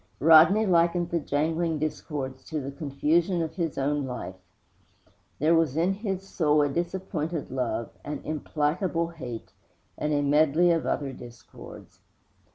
Rodney likened the jangling discords to the confusion of his own life. There was in his soul a disappointed love, an implacable hate, and a medley of other discords.